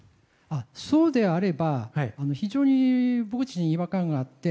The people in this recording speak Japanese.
そうであれば非常に違和感があって。